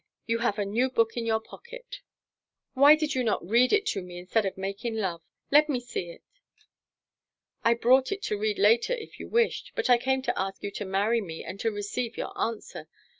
You have a new book in your pocket. Why did you not read it to me instead of making love? Let me see it." "I brought it to read later if you wished, but I came to ask you to marry me and to receive your answer.